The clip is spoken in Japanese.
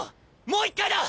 もう一回だ！